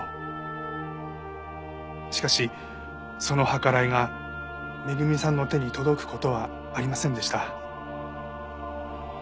しかしその計らいが恵さんの手に届く事はありませんでした。